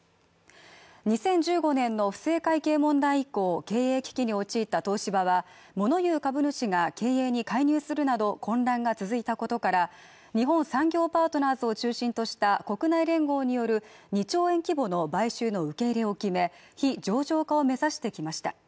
２０１５年の不正会計問題以降経営危機に陥った東芝は物言う株主が経営に介入するなど混乱が続いたことから日本産業パートナーズを中心とした国内連合による２兆円規模の買収の受け入れを決め非上場化を目指してきました